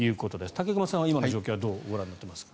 武隈さんは今の状況はどうご覧になっていますか。